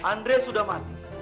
andre sudah mati